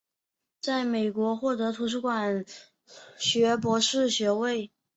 在美国获得图书馆学博士学位。